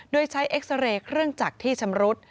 โดยใช้เอ็กซาเรย์เครื่องจักรที่ชำรุด